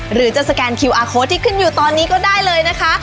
หรือจะสแกนคิวอาร์โค้ดที่ขึ้นอยู่ตอนนี้ก็ได้เลยนะคะ